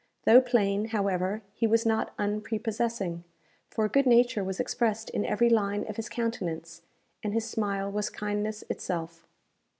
Though plain, however, he was not unprepossessing; for good nature was expressed in every line of his countenance, and his smile was kindness itself.